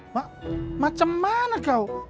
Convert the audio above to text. pak macam mana kau